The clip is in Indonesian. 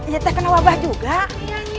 tolong keluarga kami